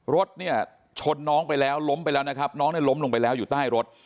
รถเนี่ยชนน้องไปแล้วล้มไปแล้วนะครับน้องเนี่ยล้มลงไปแล้วอยู่ใต้รถ